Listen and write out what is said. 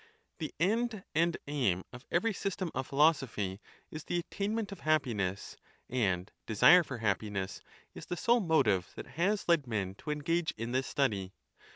The end and aim of every system of philosophy is tlie attainment of hap piness; and desire for happiness is the sole motive that has led men to engage in this study.